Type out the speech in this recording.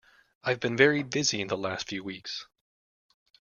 I've been very busy the last few weeks.